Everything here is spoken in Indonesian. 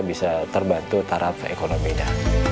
bisa terbantu taraf ekonominya